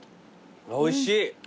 おいしい。